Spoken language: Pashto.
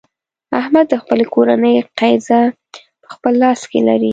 احمد د خپلې کورنۍ قېزه په خپل لاس کې لري.